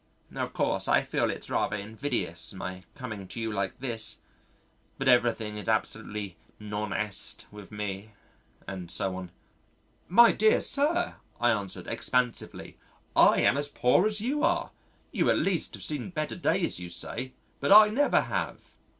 Of course, I feel it's rather invidious my coming to you like this, but everything is absolutely 'non est' with me," and so on. "My dear sir," I answered expansively, "I am as poor as you are. You at least have seen better days you say but I never have."